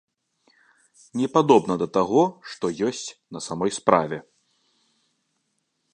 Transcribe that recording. Не падобна да таго, што ёсць на самой справе!